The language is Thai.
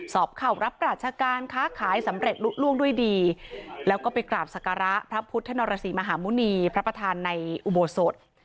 สอบเข่ารับราชการค้าขายสำเร็จลุล่วงด้วยดีแล้วก็ไปกราบสการะพระพุทธนรสีมหาหมุณีพระประธานในอุโบสถ